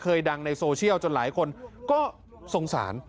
ดังในโซเชียลจนหลายคนก็สงสาร